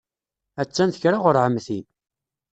Attan tekra ɣur ɛemti.